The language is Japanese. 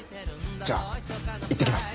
じゃあ行ってきます。